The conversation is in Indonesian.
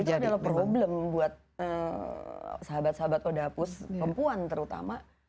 itu adalah problem buat sahabat sahabat odapus perempuan terutama